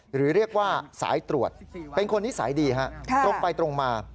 หรือเรียกว่าสายตรวจเป็นคนนิสัยดีฮะตรงไปตรงมา